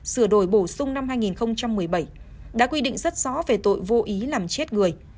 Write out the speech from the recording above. sửa đổi bổ sung năm hai nghìn một mươi bảy đã quy định rất rõ về tội vô ý làm chết người